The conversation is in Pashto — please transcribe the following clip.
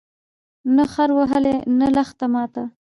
نه خر وهلی، نه لښته ماته